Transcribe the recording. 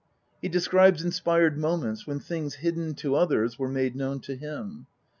He describes inspired moments when things hidden to others were made known to him.